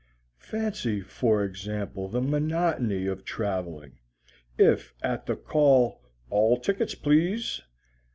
Fancy, for example, the monotony of traveling, if, at the call "All tickets, please!"